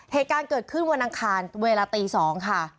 เหตุการณ์เกิดขึ้นวันอังคารเวลาตี๒ค่ะ